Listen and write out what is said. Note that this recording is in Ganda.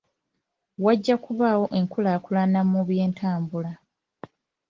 Wajja kubaawo enkulaakulana mu by'entambula.